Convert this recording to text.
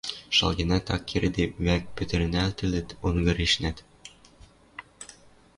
Шалгенӓт ак кердеп вӓк, пӹтӹрнӓлтӹлӹт, онгырешнӓт.